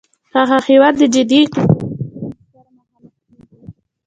هغه هیواد د جدي اقتصادي ستونځو سره مخامخ کیږي